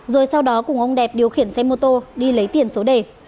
rồi sau đó cùng ông đẹp điều khiển xe mô tô đi lấy tiền số đề